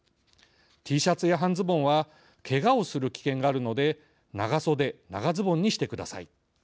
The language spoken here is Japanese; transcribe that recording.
Ｔシャツや半ズボンはけがをする危険があるので長袖、長ズボンにしてください。